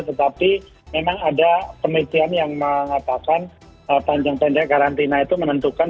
tetapi memang ada penelitian yang mengatakan panjang pendek karantina itu menentukan